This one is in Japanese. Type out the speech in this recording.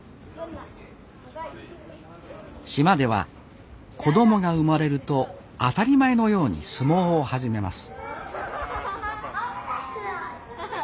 島では子どもが生まれると当たり前のように相撲を始めます